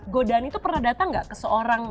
godaan itu pernah datang nggak ke seorang